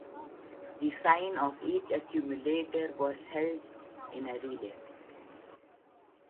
The sign of each accumulator was also held in a relay.